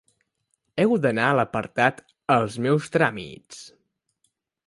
Heu d'anar a l'apartat Els meus tràmits.